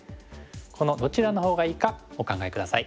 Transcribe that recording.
このどちらのほうがいいかお考え下さい。